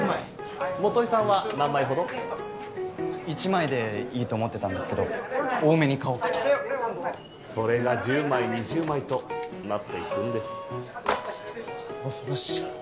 １枚でいいと思ってたんですけど多めに買おうかとそれが１０枚・２０枚となっていくんです恐ろし！